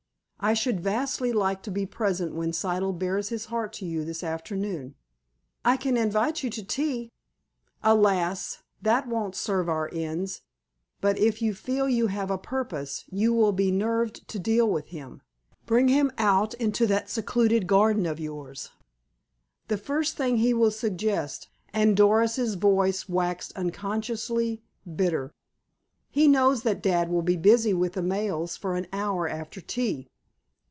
I should vastly like to be present when Siddle bares his heart to you this afternoon. "I can invite you to tea." "Alas! that won't serve our ends. But, if you feel you have a purpose, you will be nerved to deal with him. Bring him out into that secluded garden of yours—" "The first thing he will suggest," and Doris's voice waxed unconsciously bitter. "He knows that dad will be busy with the mails for an hour after tea."